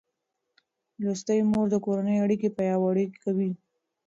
لوستې مور د کورنۍ اړیکې پیاوړې کوي.